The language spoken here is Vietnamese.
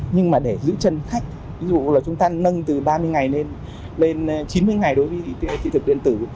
nhưng mà để giữ chân khách ví dụ là chúng ta nâng từ ba mươi ngày lên chín mươi ngày đối với thị thực điện tử